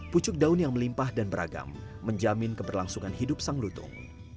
pucuk daun yang melimpah dan beragam menjamin keberlangsungan hidup sang lutung